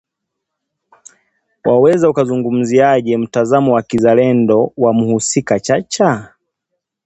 Waweza ukauzungumziaje mtazamo wa kizalendo wa mhusika Chacha?